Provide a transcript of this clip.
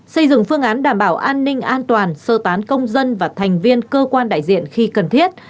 xây dựng phương án đảm bảo an ninh an toàn sơ tán công dân và thành viên cơ quan đại diện khi cần thiết